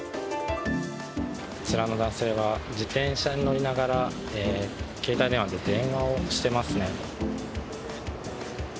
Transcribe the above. こちらの男性は自転車に乗りながら携帯電話で電話をしていますね。